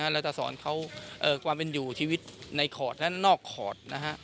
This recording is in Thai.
เราจะสอนเขาความเป็นอยู่ชีวิตในขอดและนอกขอดนะฮะ